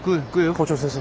校長先生。